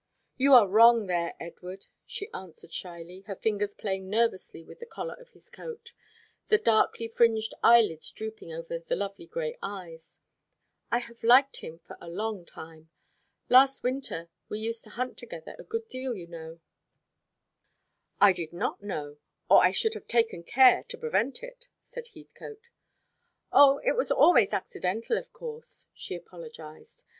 "You are wrong there, Edward," she answered shyly, her fingers playing nervously with the collar of his coat, the darkly fringed eyelids drooping over the lovely gray eyes. "I have liked him for a long time. Last winter we used to hunt together a good deal, you know " "I did not know, or I should have taken care to prevent it," said Heathcote. "O, it was always accidental, of course," she apologised.